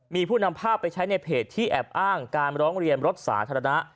มีผู้นำภาพไปใช้ในเพจที่แอบอ้างการร้องเรียนรถสาธารณะ